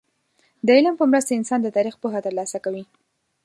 د علم په مرسته انسان د تاريخ پوهه ترلاسه کوي.